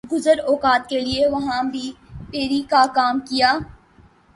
گزر اوقات کیلئے وہاں بھی پھیر ی کاکام کیا۔